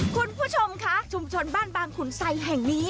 คุณผู้ชมค่ะชุมชนบ้านบางขุนไซแห่งนี้